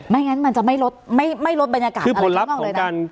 งั้นมันจะไม่ลดบรรยากาศอะไรข้างนอกเลยนะ